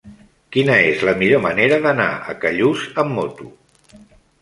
Quina és la millor manera d'anar a Callús amb moto?